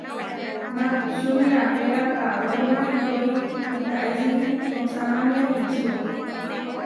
Makučúni apéra kawéruma iʼyói witaísiri tohsáname ičió.